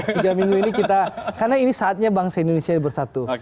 tiga minggu ini kita karena ini saatnya bangsa indonesia bersatu